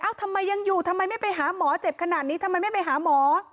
ทำไมยังอยู่ทำไมไม่ไปหาหมอเจ็บขนาดนี้ทำไมไม่ไปหาหมอ